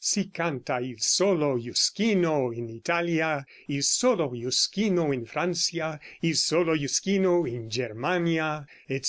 ("Si canta il solo Jusquino in Italia; il solo Jusquino in Francia; il solo Jusquino in Germania," etc.)